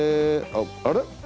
あれ？